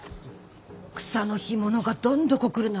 草の干物がどんどこ来るなんて